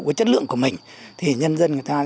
với chất lượng của mình thì nhân dân người ta